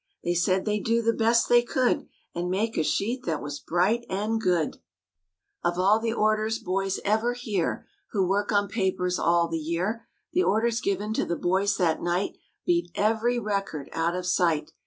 They said they'd do the best they could And make a sheet that was bright and good. THE BEARS GET OUT A NEWSPAPER ikana Of all the orders boys ever hear Who work on papers all the year, The orders given to the boys that night Beat every record out of sight.